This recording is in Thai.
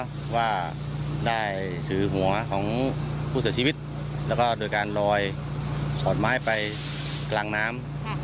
เพราะว่าได้ถือหัวของผู้เสียชีวิตแล้วก็โดยการลอยขอนไม้ไปกลางน้ำ